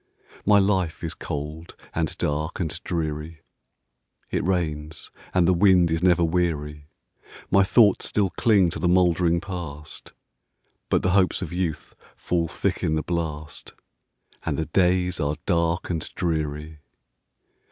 My life is cold, and dark, and dreary; It rains, and the wind is never weary; My thoughts still cling to the mouldering Past, But the hopes of youth fall thick in the blast, And the days are dark and dreary.